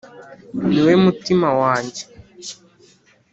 Ni we mutima wanjye